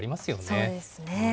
そうですね。